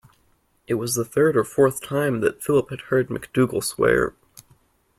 It was the third or fourth time that Philip had heard MacDougall swear.